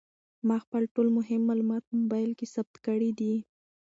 ما خپل ټول مهم معلومات په موبایل کې ثبت کړي دي.